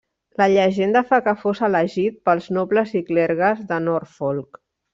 La llegenda fa que fos elegit pels nobles i clergues de Norfolk.